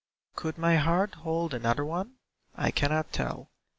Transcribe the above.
Could my heart hold another one? I cannot tell.